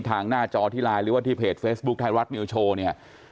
หน้าจอที่ไลน์หรือว่าที่เพจเฟซบุ๊คไทยรัฐนิวโชว์เนี่ย